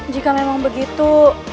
jika memang begitu